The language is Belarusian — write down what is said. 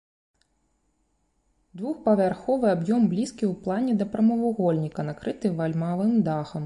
Двухпавярховы аб'ём блізкі ў плане да прамавугольніка, накрыты вальмавым дахам.